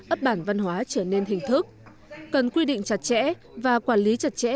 ấp bản văn hóa trở nên hình thức cần quy định chặt chẽ và quản lý chặt chẽ